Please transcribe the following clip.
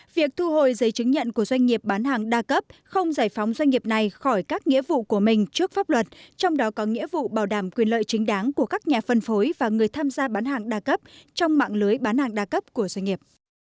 việc thu hồi giấy chứng nhận của doanh nghiệp bán hàng đa cấp không giải phóng doanh nghiệp này khỏi các nghĩa vụ của mình trước pháp luật trong đó có nghĩa vụ bảo đảm quyền lợi chính đáng của các nhà phân phối và người tham gia bán hàng đa cấp trong mạng lưới bán hàng đa cấp của doanh nghiệp